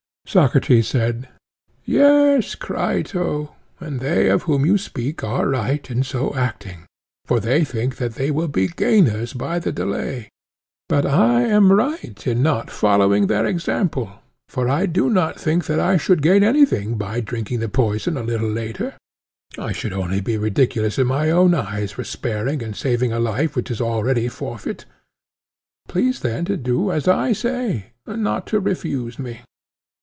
Socrates said: Yes, Crito, and they of whom you speak are right in so acting, for they think that they will be gainers by the delay; but I am right in not following their example, for I do not think that I should gain anything by drinking the poison a little later; I should only be ridiculous in my own eyes for sparing and saving a life which is already forfeit. Please then to do as I say, and not to refuse me.